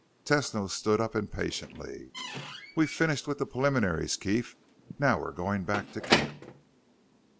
Tesno stood up impatiently. "We've finished with the preliminaries, Keef. Now we're going back to camp."